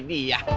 hah nih dia